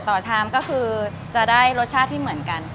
ชามก็คือจะได้รสชาติที่เหมือนกัน